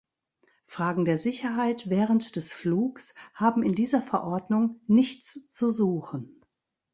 Fragen der Sicherheit während des Flugs haben in dieser Verordnung nichts zu suchen.